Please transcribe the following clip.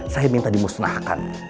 saya minta dimusnahkan